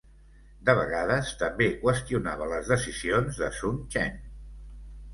De vegades també qüestionava les decisions de Sun Chen.